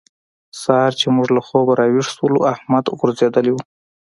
سهار چې موږ له خوبه راويښ شولو؛ احمد غورځېدلی وو.